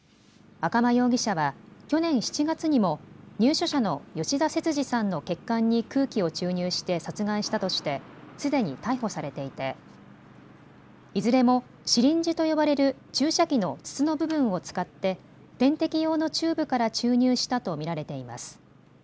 赤間容疑者は去年７月にも入所者の吉田節次さんの血管に空気を注入して殺害したとしてすでに逮捕されていていずれも、シリンジと呼ばれる注射器の筒の部分を使って点滴用のチューブから注入したと見られています。